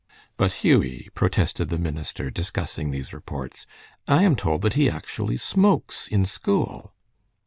"But, Hughie," protested the minister, discussing these reports, "I am told that he actually smokes in school."